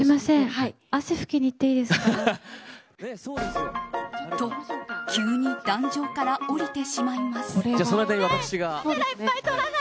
すると。と、急に壇上から降りてしまいます。